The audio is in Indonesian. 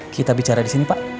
kita bicara di sini pak